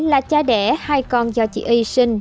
là cha đẻ hai con do chị y sinh